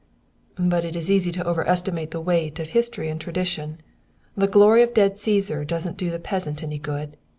"But it is easy to overestimate the weight of history and tradition. The glory of dead Caesar doesn't do the peasant any good.